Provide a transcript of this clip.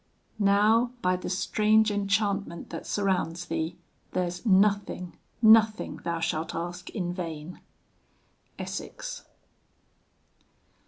IV Now, by the strange enchantment that surrounds thee, There's nothing nothing thou shalt ask in vain. ESSEX.